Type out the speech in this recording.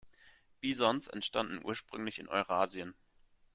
Bisons entstanden ursprünglich in Eurasien.